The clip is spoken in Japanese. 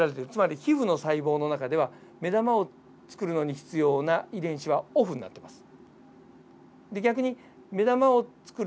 逆に目玉を作る細胞の中では皮膚を作るために必要な遺伝子はオフになってます。